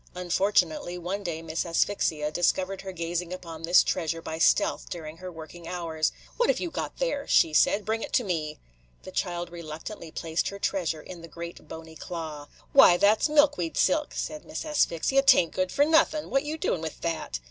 Unfortunately, one day Miss Asphyxia discovered her gazing upon this treasure by stealth during her working hours. "What have you got there?" she said. "Bring it to me." The child reluctantly placed her treasure in the great bony claw. "Why, that 's milkweed silk," said Miss Asphyxia. "'T ain't good for nothin' .What you doing with that?"